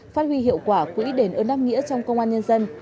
phát huy hiệu quả quỹ đền ơn đáp nghĩa trong công an nhân dân